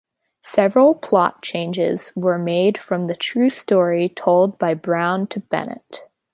Several plot changes were made from the true story told by Browne to Bennett.